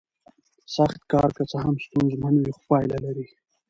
سخت کار که څه هم ستونزمن وي خو پایله لري